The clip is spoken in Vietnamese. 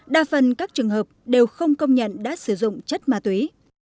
đa phần các trường hợp đều không công nhận đã sử dụng chất ma túy